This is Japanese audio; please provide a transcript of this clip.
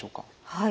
はい。